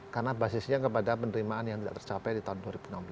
karena basisnya kepada penerimaan yang tidak tercapai di tahun dua ribu enam belas